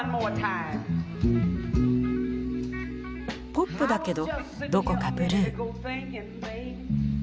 ポップだけどどこかブルー。